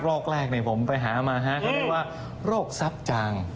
โรคแรกเนี่ยผมไปหามาฮะเขาเรียกว่าโรคซับจาง